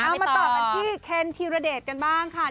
มาต่อกันที่เคนธีรเดชกันบ้างค่ะ